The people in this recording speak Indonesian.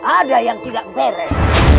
ada yang tidak beres